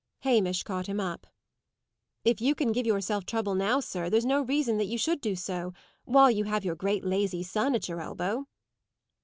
Hamish caught him up. "If you can give yourself trouble now, sir, there's no reason that you should do so, while you have your great lazy son at your elbow."